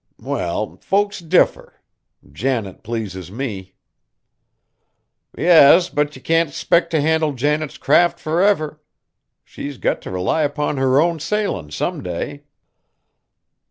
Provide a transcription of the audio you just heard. "Well, folks differ. Janet pleases me." "Yes, but ye can't 'spect to handle Janet's craft forever. She's got t' rely 'pon her own sailin' some day."